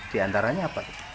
di antaranya apa